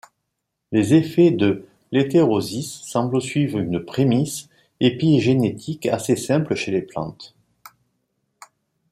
Les effets de l'hétérosis semblent suivre une prémisse épigénétique assez simple chez les plantes.